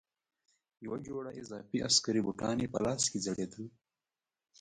یوه جوړه اضافي عسکري بوټان یې په لاس کې ځړېدل.